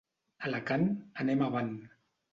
Alacant, anem avant.